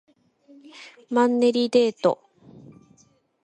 マンネリデート